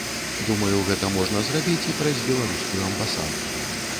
Думаю, гэта можна зрабіць і праз беларускую амбасаду.